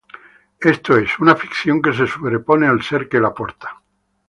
Esto es, una ficción que se sobrepone al ser que la porta.